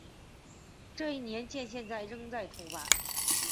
这一年鉴现在仍在出版。